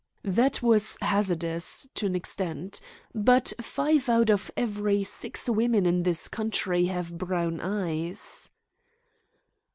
"That was hazardous, to an extent. But five out of every six women in this county have brown eyes."